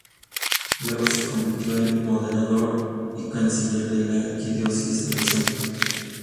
Luego se convirtió en moderador y canciller de la Arquidiócesis de Los Ángeles.